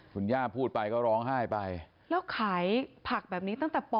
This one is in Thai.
คุณย่าพูดไปก็ร้องไห้ไปแล้วขายผักแบบนี้ตั้งแต่ป